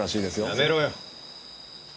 やめろよ。